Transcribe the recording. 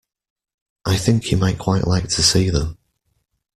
I think you might quite like to see them.